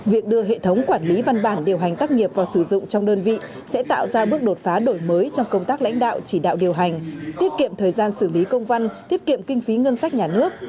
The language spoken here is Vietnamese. việc đưa hệ thống quản lý văn bản điều hành tắc nghiệp vào sử dụng trong đơn vị sẽ tạo ra bước đột phá đổi mới trong công tác lãnh đạo chỉ đạo điều hành tiết kiệm thời gian xử lý công văn tiết kiệm kinh phí ngân sách nhà nước